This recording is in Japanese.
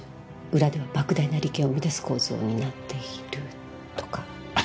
裏ではばく大な利権を生み出す構造になっているとか。